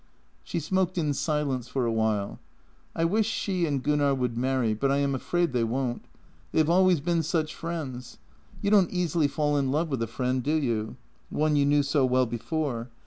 She smoked in silence for a while: " I wish she and Gunnar would marry, but I am afraid they won't. They have always been such friends. You don't easily fall in love with a friend, do you? One you knew so well before.